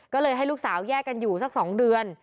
ก็เลยให้ลูกสาวแยกกันอยู่สัก๒เดือน